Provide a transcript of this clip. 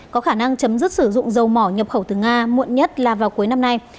có khả năng chấm dứt sử dụng dầu mỏ nhập khẩu từ nga muộn nhất là vào cuối năm nay